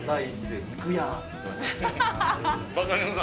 はい。